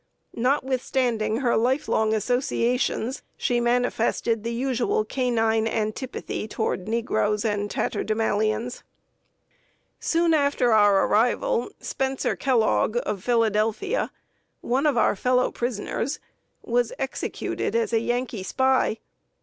Notwithstanding her life long associations, she manifested the usual canine antipathy toward negroes and tatterdemalions. [Sidenote: THE EXECUTION OF SPENCER KELLOGG.] Soon after our arrival, Spencer Kellogg, of Philadelphia, one of our fellow prisoners, was executed as a Yankee spy.